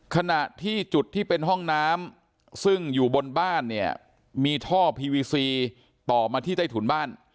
ขณะที่จุดที่เป็นห้องน้ำซึ่งอยู่บนบ้านเนี่ยมีท่อพีวีซีต่อมาที่ใต้ถุนบ้าน